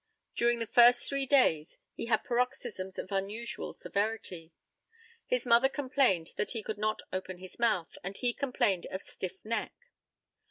During the first three days he had paroxysms of unusual severity. His mother complained that he could not open his mouth, and he complained of stiff neck.